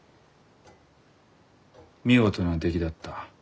見事な出来だった。